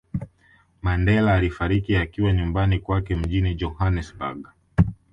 Mandela alifariki akiwa nyumbani kwake mjini Johanesburg